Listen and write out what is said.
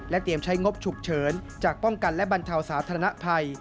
เตรียมใช้งบฉุกเฉินจากป้องกันและบรรเทาสาธารณภัย